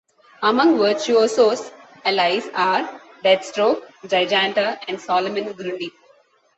Among Virtuoso's allies are Deathstroke, Giganta, and Solomon Grundy.